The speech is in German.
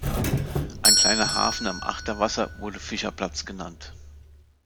Ein kleiner Hafen am Achterwasser wurde „Fischer Platz“ genannt.